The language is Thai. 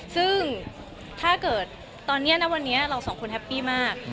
ซึ่งถ้าเกิดตอนนี้ณวันนี้เราสองคนแฮปปี้มาก